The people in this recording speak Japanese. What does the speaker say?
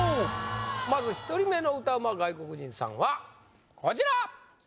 まず１人目の歌うま外国人さんはこちら！